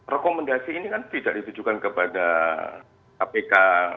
rekomendasi ini kan tidak ditujukan kepada kpk